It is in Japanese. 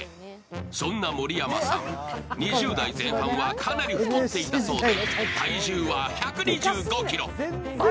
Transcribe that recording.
そんな盛山さん、２０代前半はかなり太っていたそうで、体重は１２５ｋｇ。